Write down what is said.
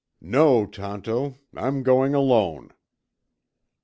"No, Tonto; I'm going alone."